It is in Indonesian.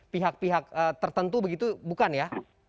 pihak pihak tertentu begitu bukan ya